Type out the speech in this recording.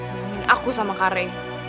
bawahin aku sama kak arka